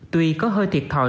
tuy có hơi thiệt thòi